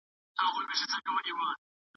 عصبیت تر بل هر څه ډیر مهم دی.